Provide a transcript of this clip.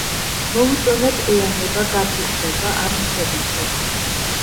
მოვუწონებ ეამება გაბრიყვდება ამ ქებითო